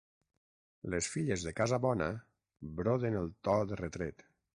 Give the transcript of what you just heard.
Les filles de casa bona broden el to de retret.